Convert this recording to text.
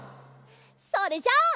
それじゃあ。